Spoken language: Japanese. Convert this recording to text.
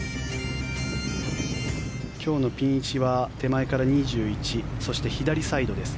今日のピン位置は手前から２１そして左サイドです